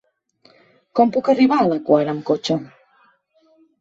Com puc arribar a la Quar amb cotxe?